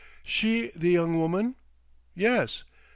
"She the young woman?" "Yes.